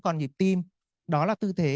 nhịp tim đó là tư thế